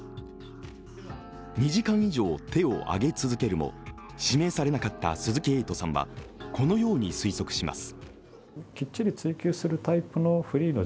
２時間以上、手を挙げ続けるも指名されなかった鈴木エイトさんは、このように推測します。